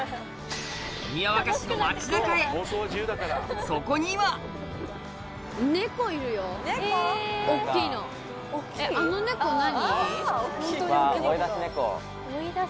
宮若市の街中へそこにはあの猫何？